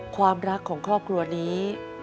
ความรักของครอบครัวนี้